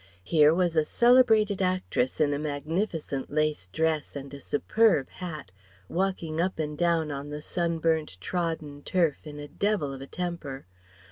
Here was a celebrated actress in a magnificent lace dress and a superb hat, walking up and down on the sun burnt, trodden turf, in a devil of a temper.